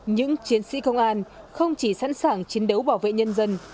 những chiến sĩ công an không chỉ sẵn sàng chiến đấu bảo vệ nhân dân